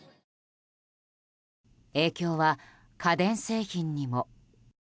影響は家電製品にも。